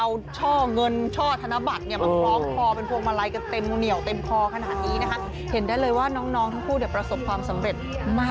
เอาช่องเงินช่อธนบัตรเนี่ยเอาเผาของคอเป็นพวกมารัย